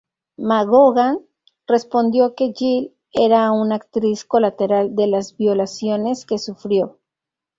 McGowan respondió que Jill era una actriz colateral de las violaciones que sufrió.